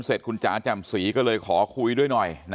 เสร็จคุณจ๋าแจ่มศรีก็เลยขอคุยด้วยหน่อย